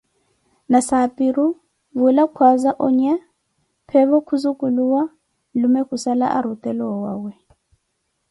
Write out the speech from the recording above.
Nasaapiru vuula kwaaza onya, peevo khuzuculuwa, nlume kusaala arutela owawe.